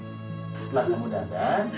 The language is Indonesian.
setelah kamu dandan